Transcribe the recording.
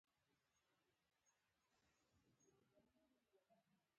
مچمچۍ د نبات ژوند ته ارزښت ورکوي